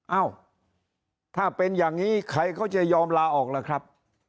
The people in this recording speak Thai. เอ้าถ้าเป็นอย่างนี้ใครเขาจะยอมลาออกล่ะครับ